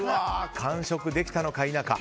完食できたのか否か。